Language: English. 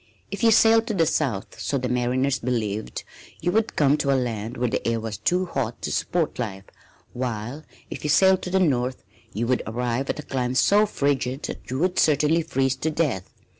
If you sailed to the south, so the mariners believed, you would come to a land where the air was too hot to support life, while if you sailed to the north you would arrive at a clime so frigid that you would certainly freeze to death.